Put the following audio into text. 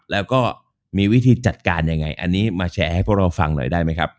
แล้วก็มีวิธีจัดการยังไงอันนี้มาแฉให้พวกเราฟังหน่อยได้ไหมครับ